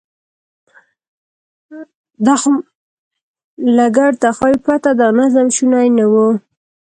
له ګډ تخیل پرته دا نظم شونی نه و.